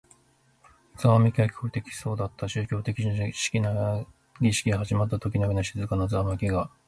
ざわめきが聞こえてきそうだった。宗教的な儀式が始まったときのような静かなざわめきが。